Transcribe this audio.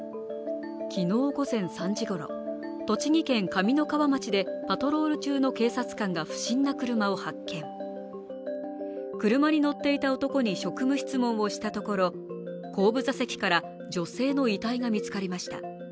昨日午前３時ごろ、栃木県上三川町でパトロール中の警察官が不審な車を発見車に乗っていた男に職務質問をしたところ後部座席から女性の遺体が見つかりました。